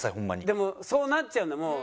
でもそうなっちゃうんだもう。